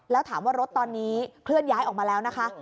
แล้วถามว่ารถตอนนี้เคลื่อนย้ายออกมาแล้วนะคะ